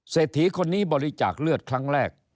เศรษฐีคนนี้บริจาคเลือดครั้งแรก